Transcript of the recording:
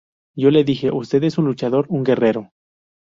Yo le dije: Usted es un luchador, un guerrero.